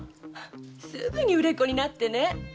すぐに売れっ子になってね。